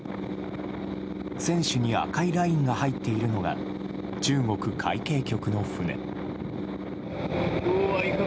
船首に赤いラインが入っているのが中国海警局の船。